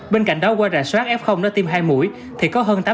bên cạnh đó qua rà soát f nó tiêm hai mũi